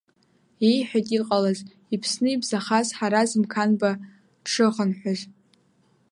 Иеиҳәеит иҟалаз, иԥсны ибзахаз Ҳараз Мқанба дшыхынҳәыз.